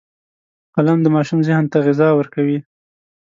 قلم د ماشوم ذهن ته غذا ورکوي